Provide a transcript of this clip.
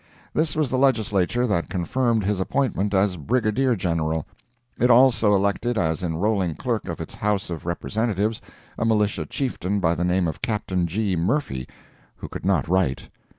This was the Legislature that confirmed his appointment as Brigadier General. It also elected as enrolling clerk of its House of Representatives a militia chieftain by the name of Captain G. Murphy, who could not write.